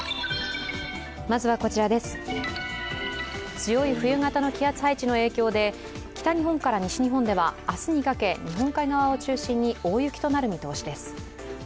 強い冬型の気圧配置の影響で北日本から西日本では明日にかけ日本海側を中心に大雪となる見通しです。